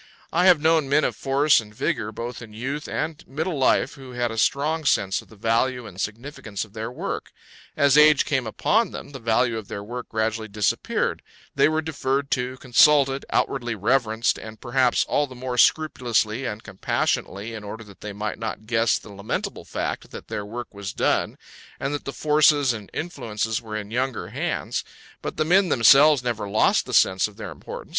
I have known men of force and vigour both in youth and middle life who had a strong sense of the value and significance of their work; as age came upon them, the value of their work gradually disappeared; they were deferred to, consulted, outwardly reverenced, and perhaps all the more scrupulously and compassionately in order that they might not guess the lamentable fact that their work was done and that the forces and influences were in younger hands. But the men themselves never lost the sense of their importance.